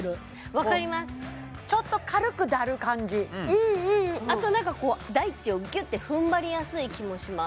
ちょっと軽くだる感じうんうんあと何かこう大地をギュッて踏ん張りやすい気もします